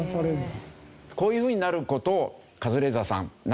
こういうふうになる事をカズレーザーさん